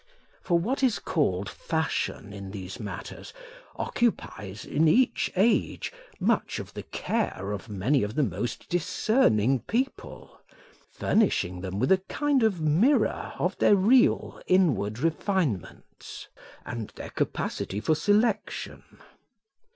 For what is called fashion in these matters occupies, in each age, much of the care of many of the most discerning people, furnishing them with a kind of mirror of their real inward refinements, and their capacity for selection.